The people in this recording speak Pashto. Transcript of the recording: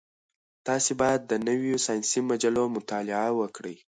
تاسي باید د نویو ساینسي مجلو مطالعه وکړئ.